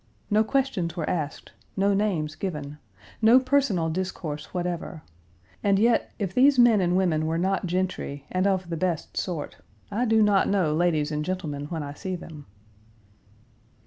No questions were asked, no names given, no personal discourse whatever, and yet if these men and women were not gentry, and of the best sort, I do not know ladies and gentlemen when I see them.